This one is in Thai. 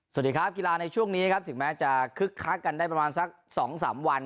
สวัสดีครับกีฬาในช่วงนี้ครับถึงแม้จะคึกคักกันได้ประมาณสัก๒๓วัน